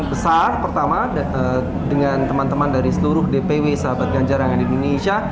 besar pertama dengan teman teman dari seluruh dpw sahabat ganjar yang ada di indonesia